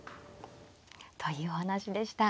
というお話でした。